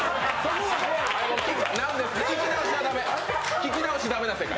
聞き直し駄目な世界。